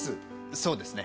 そうですね